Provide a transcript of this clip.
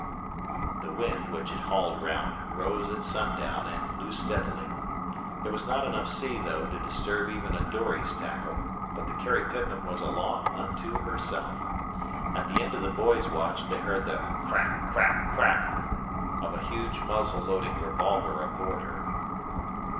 The wind, which had hauled round, rose at sundown and blew steadily. There was not enough sea, though, to disturb even a dory's tackle, but the Carrie Pitman was a law unto herself. At the end of the boys' watch they heard the crack crack crack of a huge muzzle loading revolver aboard her.